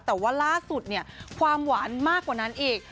แต่ว่าล่าสุดเนี่ยความหวานมากกว่านั้นอีก